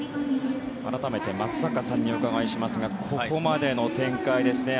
改めて松坂さんにお伺いしますがここまでの展開ですね